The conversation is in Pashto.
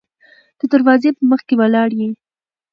د دروازې په مخکې ولاړ يې.